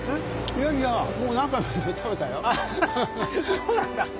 そうなんだ。